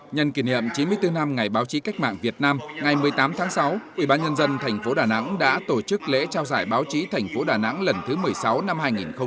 nhân kỷ niệm chín mươi bốn năm ngày báo chí cách mạng việt nam ngày một mươi tám tháng sáu ubnd tp đà nẵng đã tổ chức lễ trao giải báo chí thành phố đà nẵng lần thứ một mươi sáu năm hai nghìn một mươi chín